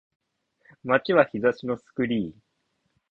街は日差しのスクリーン